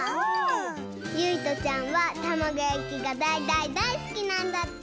ゆいとちゃんはたまごやきがだいだいだいすきなんだって！